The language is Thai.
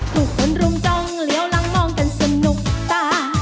สู่กนรุมจองเลี้ยวลังมองกันสนุกตา